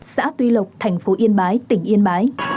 xã tuy lộc thành phố yên bái tỉnh yên bái